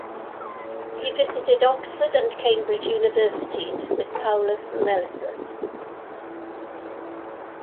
He visited Oxford and Cambridge universities with Paulus Melissus.